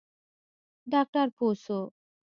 ډاکتر پوه سو.